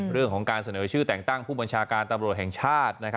เรื่องของการเสนอชื่อแต่งตั้งผู้บัญชาการตำรวจแห่งชาติ